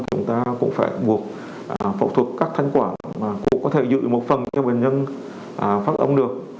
chúng ta cũng phải buộc phẫu thuật các thanh quả có thể giữ một phần cho bệnh nhân phát âm được